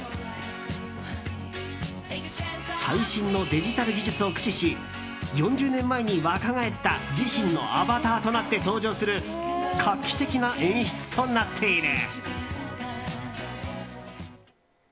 最新のデジタル技術を駆使し４０年前に若返った自身のＡＢＢＡターとなって登場する画期的な演出となっている。